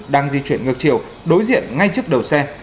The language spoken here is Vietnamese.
đang di chuyển ngược chiều đối diện ngay trước đầu xe